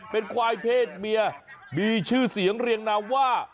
เป็นควายเพศเมียมีชื่อเสียงเรียงนามว่า